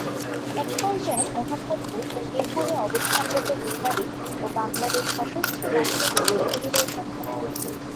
এক পর্যায়ে মোহাম্মদপুর ও মিরপুরে অবস্থানরত বিহারি ও বাংলাদেশ সশস্ত্র বাহিনীর মধ্যে গুলিবর্ষণ ঘটে।